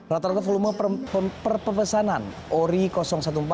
rata rata volume per pemesanan ori empat belas adalah tiga ratus sembilan puluh satu delapan juta rupiah